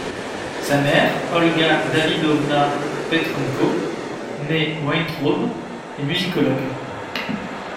Sa mère Olga Davidovna Petrenko, née Weintraub, est musicologue.